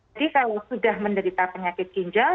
jadi kalau sudah menderita penyakit ginjal